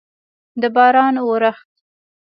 د باران اورښت